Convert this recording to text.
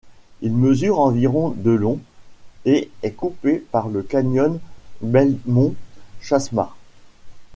Il mesure environ de long, et est coupé par le canyon Belmont Chasma.